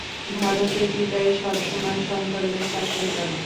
ভারতে পিতাই সব সময় সন্তানদের শাসন করেন।